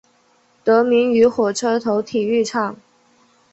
得名于火车头体育场。